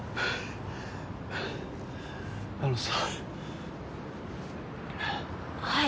あのさはい